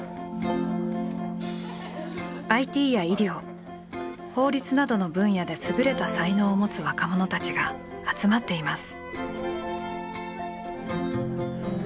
ＩＴや医療法律などの分野で優れた才能を持つ若者たちが集まっています。